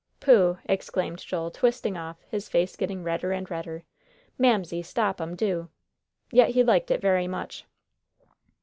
"Pooh!" exclaimed Joel, twisting off, his face getting redder and redder. "Mamsie, stop 'em do;" yet he liked it very much.